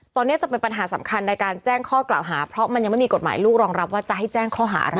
ตอนนี้จะเป็นปัญหาสำคัญในการแจ้งข้อกล่าวหาเพราะมันยังไม่มีกฎหมายลูกรองรับว่าจะให้แจ้งข้อหาอะไร